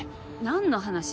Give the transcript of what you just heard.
何の話？